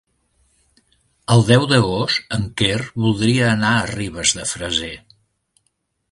El deu d'agost en Quer voldria anar a Ribes de Freser.